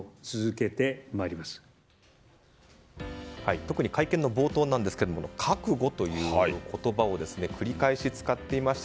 特に会見の冒頭ですが覚悟という言葉を繰り返し使っていました。